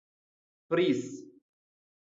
freeze